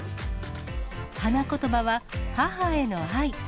花言葉は母への愛。